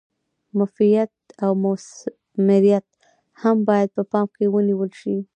مفیدیت او مثمریت هم باید په پام کې ونیول شي.